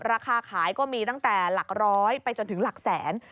ราคาขายก็มีตั้งแต่หลักร้อยไปจนถึงหลักแสน